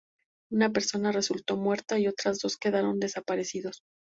Una persona resultó muerta y otras dos quedaron desaparecidos.